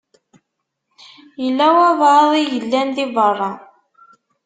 Yella walebɛaḍ i yellan di beṛṛa.